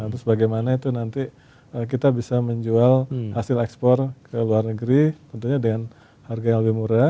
terus bagaimana itu nanti kita bisa menjual hasil ekspor ke luar negeri tentunya dengan harga yang lebih murah